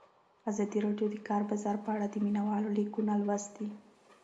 ازادي راډیو د د کار بازار په اړه د مینه والو لیکونه لوستي.